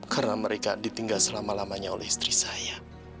karena mereka ditinggal selama lamanya oleh istri saya